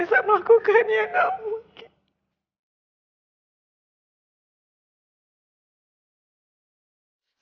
dia moleknya preparing untuk polskin belah